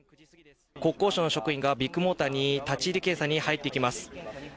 国交省の職員がビッグモーターに立ち入り検査に入っていきます。